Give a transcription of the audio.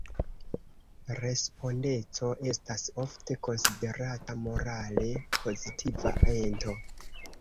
Respondeco estas ofte konsiderata morale pozitiva ento.